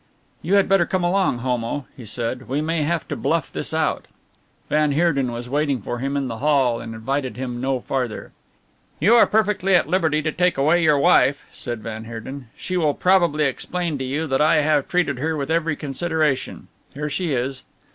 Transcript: "You had better come along, Homo," he said, "we may have to bluff this out." Van Heerden was waiting for him in the hall and invited him no farther. "You are perfectly at liberty to take away your wife," said van Heerden; "she will probably explain to you that I have treated her with every consideration. Here she is."